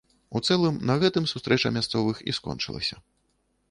У цэлым на гэтым сустрэча мясцовых і скончылася.